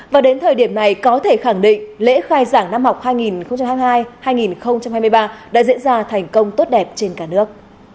và đến thời điểm này có thể khẳng định lễ khai giảng năm học hai nghìn hai mươi hai hai nghìn hai mươi ba đã diễn ra thành công tốt đẹp trên cả nước